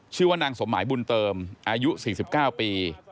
ชื่อว่านางสมหมายบุญเติมอายุ๔๙ปี